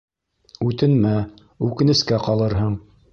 Үтенмә, үкенескә ҡалырһың.